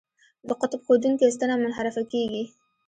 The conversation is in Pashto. د قطب ښودونکې ستنه منحرفه کیږي.